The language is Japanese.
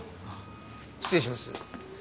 失礼します。